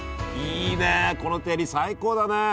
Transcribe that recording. いいねこの照り最高だね。